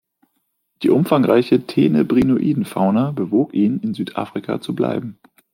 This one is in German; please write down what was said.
Die umfangreiche Tenebrioniden-Fauna bewog ihn, in Südafrika zu bleiben.